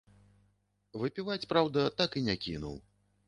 Выпіваць, праўда, так і не кінуў.